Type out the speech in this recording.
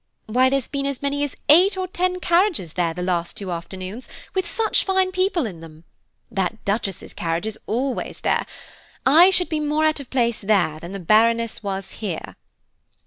Why there's been as many as eight or ten carriages there the last two afternoons, with such fine people in them. That Duchess's carriage is always there. I should be more out of place there than the Baroness was here."